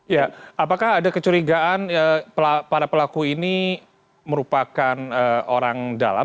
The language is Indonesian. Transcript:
ya apakah ada kecurigaan para pelaku ini merupakan orang dalam